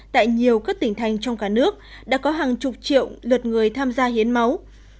tại nhiều các tỉnh thành trong cả nước đã có hàng chục triệu lượt người tham gia hiến máu